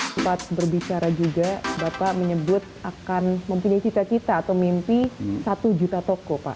sempat berbicara juga bapak menyebut akan mempunyai cita cita atau mimpi satu juta toko pak